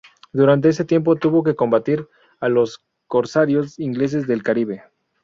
Durante ese tiempo tuvo que combatir a los corsarios ingleses del Caribe.